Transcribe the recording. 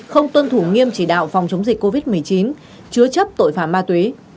không tuân thủ nghiêm chỉ đạo phòng chống dịch covid một mươi chín chứa chấp tội phạm ma túy